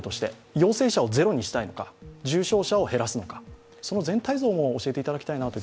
陽性者をゼロにしたいのか、重症者を減らすのか全体像を教えてもらいたいなと。